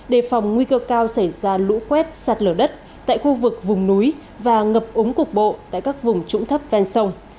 đề phòng nguy cơ cao xảy ra lũ quét sạt lở đất tại khu vực vùng núi và ngập úng cục bộ tại các vùng trũng thấp ven sông